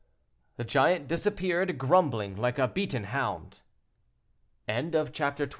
The giant disappeared, grumbling, like a beaten hound. CHAPTER XXV.